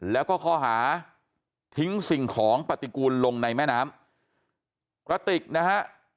แล้วก็ข้อหาทิ้งสิ่งของปฏิกูลลงในแม่น้ำกระติกนะฮะ